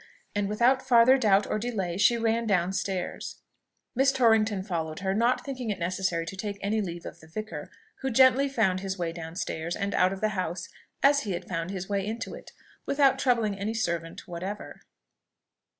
and, without farther doubt or delay, she ran down stairs. Miss Torrington followed her, not thinking it necessary to take any leave of the vicar, who gently found his way down stairs, and out of the house, as he had found his way into it, without troubling any servant whatever.